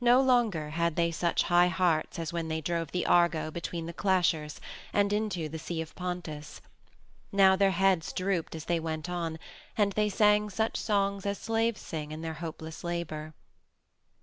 No longer had they such high hearts as when they drove the Argo between the Clashers and into the Sea of Pontus. Now their heads drooped as they went on, and they sang such songs as slaves sing in their hopeless labor.